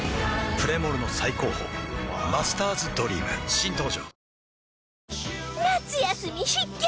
プレモルの最高峰「マスターズドリーム」新登場ワオ夏休み必見！